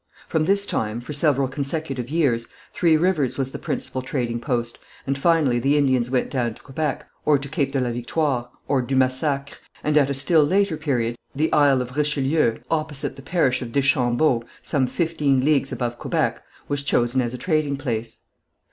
From this time, for several consecutive years, Three Rivers was the principal trading post, and finally the Indians went down to Quebec, or to Cape de la Victoire, or du Massacre, and at a still later period the Isle of Richelieu, opposite the parish of Deschambault, some fifteen leagues above Quebec, was chosen as a trading place.